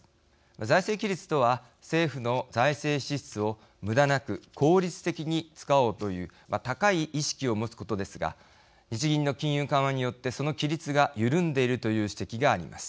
財政規律とは政府の財政支出を無駄なく効率的に使おうという高い意識を持つことですが日銀の金融緩和によってその規律が緩んでいるという指摘があります。